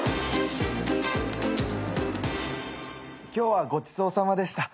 今日はごちそうさまでした。